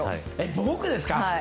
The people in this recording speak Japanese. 僕ですか？